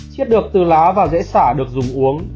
chiết được từ lá và dễ xả được dùng uống